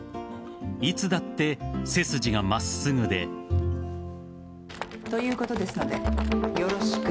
いつだって背筋が真っすぐで。ということですので、よろしく。